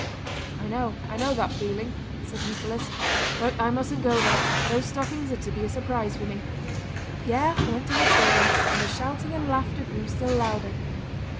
"I know! I know that feeling," said Nicholas. "But I mustn't go there—those stockings are to be a surprise for me." Pierre went to the children, and the shouting and laughter grew still louder.